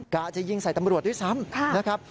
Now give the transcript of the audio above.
กะจะยิงใส่ตำรวจด้วยซ้ำ